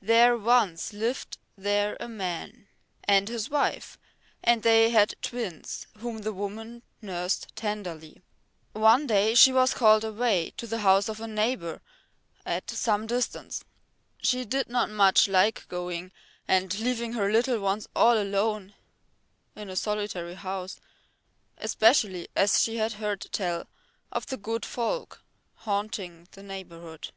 There once lived there a man and his wife, and they had twins whom the woman nursed tenderly. One day she was called away to the house of a neighbour at some distance. She did not much like going and leaving her little ones all alone in a solitary house, especially as she had heard tell of the good folk haunting the neighbourhood.